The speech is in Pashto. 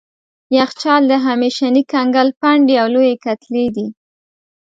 یخچال د همیشني کنګل پنډې او لويې کتلې دي.